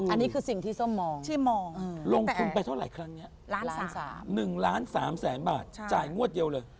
อันนี้คือสิ่งที่ส้มมองที่มองลงทุนไปเท่าไหร่ครั้งนี้๑ล้าน๓แสนบาทจ่ายงวดเดียวเลย